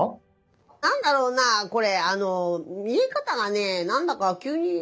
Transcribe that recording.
何だろうなこれ見え方がね何だか急に。